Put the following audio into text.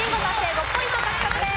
５ポイント獲得です。